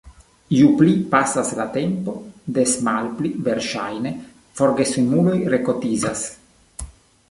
Ju pli pasas la tempo, des malpli verŝajne forgesemuloj rekotizas.